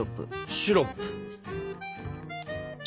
シロップ。